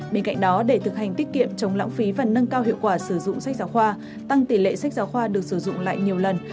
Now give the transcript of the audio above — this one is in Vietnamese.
bên cạnh đó để thực hành tiết kiệm chống lãng phí và nâng cao hiệu quả sử dụng sách giáo khoa tăng tỷ lệ sách giáo khoa được sử dụng lại nhiều lần